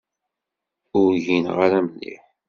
Ur gineɣ ara mliḥ.